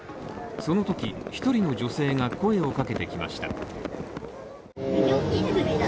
その時、１人の女性が声をかけてきました。